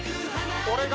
俺が？